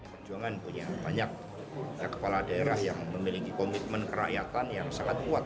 perjuangan punya banyak kepala daerah yang memiliki komitmen kerakyatan yang sangat kuat